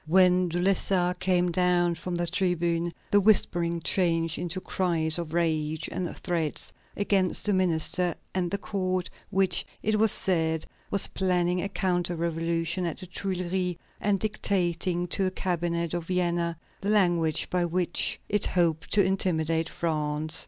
When De Lessart came down from the tribune, the whispering changed into cries of rage and threats against the minister and the court, which, it was said, was planning a counter revolution at the Tuileries, and dictating to the cabinet of Vienna the language by which it hoped to intimidate France.